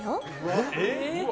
えっ？